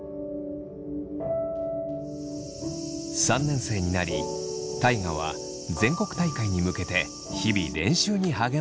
３年生になり大我は全国大会に向けて日々練習に励んでいた。